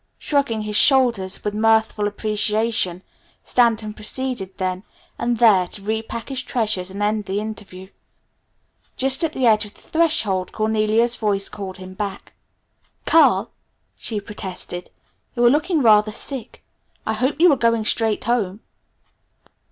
Shrugging his shoulders with mirthful appreciation Stanton proceeded then and there to re pack his treasures and end the interview. Just at the edge of the threshold Cornelia's voice called him back. "Carl," she protested, "you are looking rather sick. I hope you are going straight home."